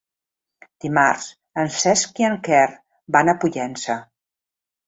Dimarts en Cesc i en Quer van a Pollença.